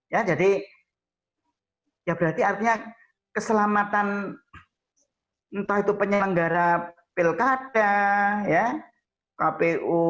ya jadi ya berarti artinya keselamatan entah itu penyelenggara pilkada ya kpu